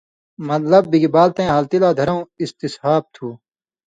مطلب بِگ بال تَیں حالتی لا دھرؤں استصحاب تُھو